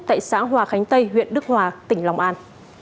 tại xã hòa khánh tây huyện đức hòa tỉnh long an